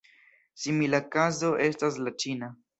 Simila kazo estas la ĉina.